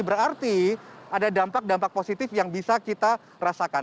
berarti ada dampak dampak positif yang bisa kita rasakan